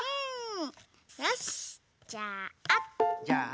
よしじゃあ。